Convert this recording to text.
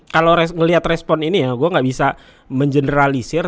kalau melihat respon ini ya gue enggak bisa mengeneralisir